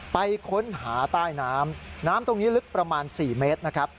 ไปค้นหาใต้น้ำน้ำตรงนี้ลึกประมาณ๔เมตรนะครับ